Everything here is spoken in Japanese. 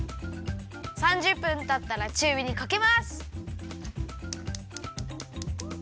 ３０分たったらちゅうびにかけます！